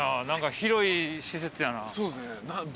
何か広い施設やな。